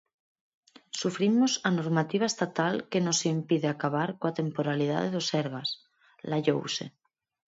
"Sufrimos a normativa estatal que nos impide acabar coa temporalidade no Sergas", laiouse.